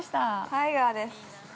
◆タイガーです。